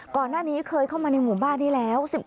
ก่อนหน้านี้เคยเข้ามาในหมู่บ้านนี้แล้ว